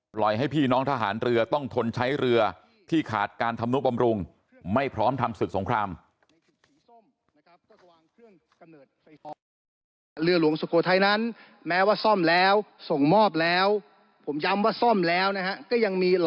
ปล่อยให้พี่น้องทหารเรือต้องทนใช้เรือที่ขาดการทำนุบำรุงไม่พร้อมทำศึกสงคราม